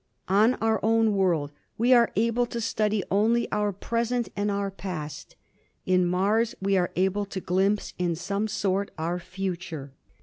On our own world we are able to study only our present and our past; in Mars we are able to glimpse, in some sort, our future.